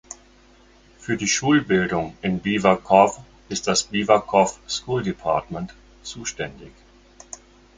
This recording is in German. Für die Schulbildung in Beaver Cove ist das Beaver Cove School Department zuständig.